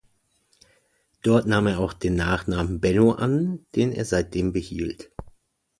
Dort nahm er auch den Nachnamen „Benno“ an, den er seitdem behielt.